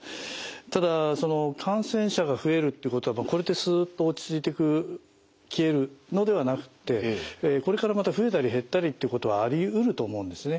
ただ感染者が増えるっていうことはこれでスッと落ち着いてく消えるのではなくってこれからまた増えたり減ったりってことはありうると思うんですね。